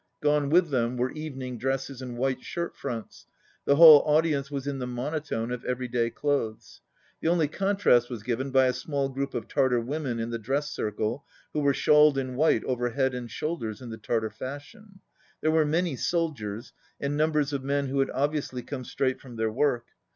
Gone with them were evening dresses and white shirt fronts. The whole audience was in the monotone of everyday clothes. The only contrast was given by a small group of Tartar women in the dress circle, who were shawled in white over head and shoulders, in the Tartar fashion. There were many soldiers, and numbers of men who had obviously come straight from their work.